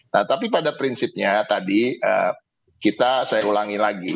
nah tapi pada prinsipnya tadi kita saya ulangi lagi